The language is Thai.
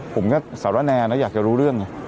ผมก็สารแนนแล้วอยากจะรู้เรื่อง